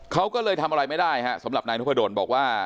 เขาก็เลยทำอะไรไม่ได้ฮะสำหรับนายนพดลบอกว่า